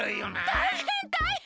たいへんたいへん！